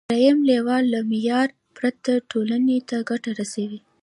دریم لیول له معیار پرته ټولنې ته ګټه رسوي.